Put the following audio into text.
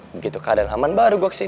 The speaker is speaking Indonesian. begitu keadaan aman baru gue sih